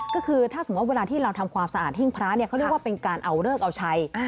ก็คือเวลาที่เราทำความสะอาดทิ้งพระเขาเรียกว่าเป็นการเอาเลิกเอาชัย